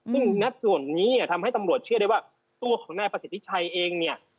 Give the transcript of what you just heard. ซึ่งณส่วนนี้เนี่ยทำให้ตำรวจเชื่อได้ว่าตัวของนายประสิทธิชัยเองเนี่ย